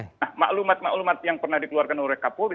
nah maklumat maklumat yang pernah dikeluarkan oleh kapolri